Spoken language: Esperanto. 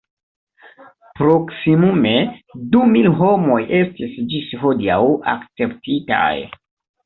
Proksimume du mil homoj estis ĝis hodiaŭ akceptitaj.